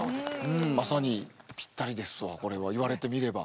まさにぴったりですわこれは言われてみれば。